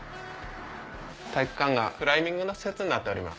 体育館がクライミングの施設になっております。